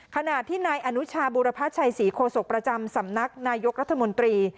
ขณะที่นายอนุชาบุรพัชชัยศรีโคศกประจำสำนักนายกรัฐมนตรี